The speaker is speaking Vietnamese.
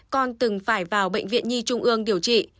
con từng phải vào bệnh viện nhi trung ương điều trị